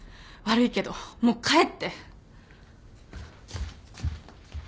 悪いけどもう帰って。